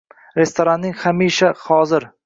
restoranning hamishahozir